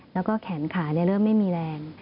แล้วก็แขนขาเริ่มไม่มีแรง